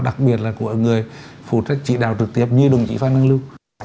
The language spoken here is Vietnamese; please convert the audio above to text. đặc biệt là của người phụ trách trị đạo trực tiếp như đồng chí phan đăng lưu